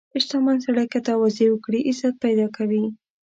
• شتمن سړی که تواضع وکړي، عزت پیدا کوي.